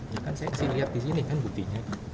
ya kan saya kasih lihat disini kan buktinya